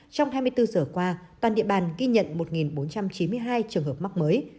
trong hai mươi bốn giờ qua toàn địa bàn ghi nhận một bốn trăm chín mươi hai trường hợp mắc mới